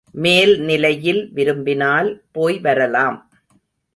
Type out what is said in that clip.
மேல்நிலையில் விரும்பினால் போய்வரலாம்.